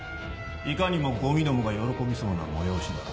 いかにもゴミどもが喜びそうな催しだ。